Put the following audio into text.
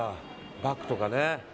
バッグとかね。